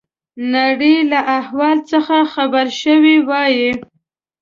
نړۍ له احوال څخه خبر شوي وای.